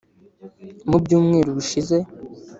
Mu byumweru bishize